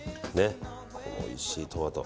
おいしいトマト。